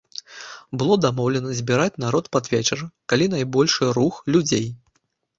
Было дамоўлена збіраць народ пад вечар, калі найбольшы рух людзей.